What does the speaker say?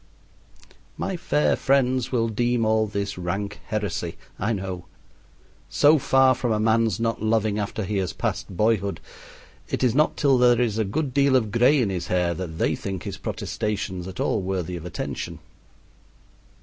My fair friends will deem all this rank heresy, I know. So far from a man's not loving after he has passed boyhood, it is not till there is a good deal of gray in his hair that they think his protestations at all worthy of attention.